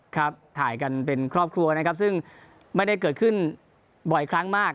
ถ่ายกันเป็นครอบครัวนะครับซึ่งไม่ได้เกิดขึ้นบ่อยครั้งมาก